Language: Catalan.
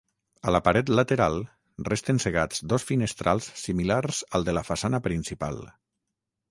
A la paret lateral, resten cegats dos finestrals similars al de la façana principal.